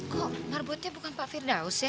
kok merebutnya bukan pak firdaus ya